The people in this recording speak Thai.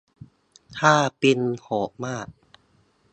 ค่าปิงโหดมาก